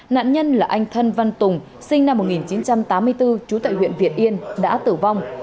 nạn nhân là anh thân văn tùng sinh năm một nghìn chín trăm tám mươi bốn trú tại huyện việt yên đã tử vong